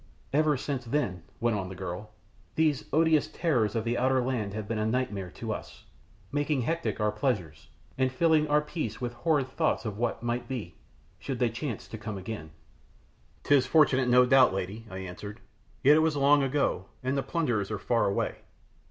"Ever since then," went on the girl, "these odious terrors of the outer land have been a nightmare to us, making hectic our pleasures, and filling our peace with horrid thoughts of what might be, should they chance to come again." "'Tis unfortunate, no doubt, lady," I answered. "Yet it was long ago, and the plunderers are far away.